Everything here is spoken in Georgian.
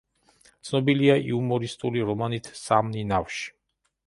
ცნობილია იუმორისტული რომანით „სამნი ნავში“.